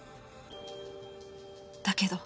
だけど